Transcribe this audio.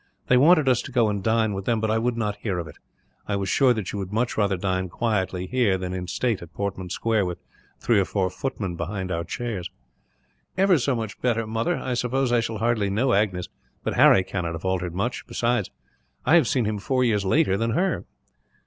They wanted us to go and dine with them, but I would not hear of it. I was sure that you would much rather dine quietly, here, than in state in Portman Square, with three or four footmen behind our chairs." "Ever so much better, mother. I suppose I shall hardly know Agnes, but Harry cannot have altered much; besides, I have seen him four years later than her."